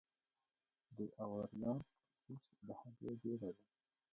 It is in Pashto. د اووریان سیسټ د هګۍ ګېډه ده.